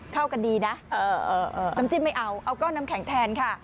เข้ากันดีนะน้ำจิ้มไม่เอาเอาก้อนน้ำแข็งแทนค่ะ